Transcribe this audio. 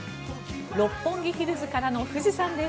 六本木ヒルズからの富士山です。